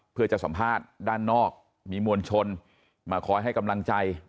เพื่อจะสัมภาษณ์ด้านนอกมีมวลชนมาคอยให้กำลังใจ